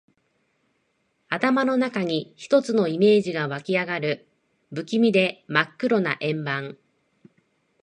頭の中に一つのイメージが湧きあがる。不気味で真っ黒な円盤。